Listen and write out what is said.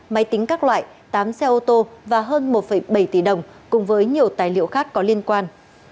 máy tính các loại tám xe ô tô và hơn một bảy tỷ đồng cùng với nhiều tài liệu khác có liên quan